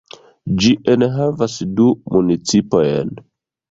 Ĝi enhavas du municipojn.